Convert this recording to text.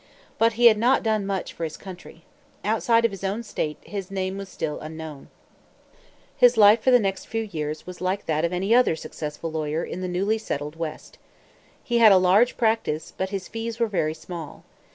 But he had not done much for his country. Outside of his own state his name was still unknown. His life for the next few years was like that of any other successful lawyer in the newly settled West. He had a large practice, but his fees were very small.